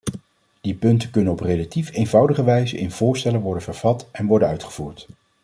Die punten kunnen op relatief eenvoudige wijze in voorstellen worden vervat en worden uitgevoerd.